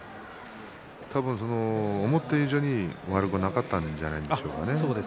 思っている以上に悪くなかったんじゃないでしょうか。